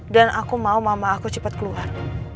dan aku mau mama aku cepet keluar